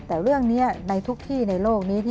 แต่เรื่องนี้ในทุกที่ในโลกนี้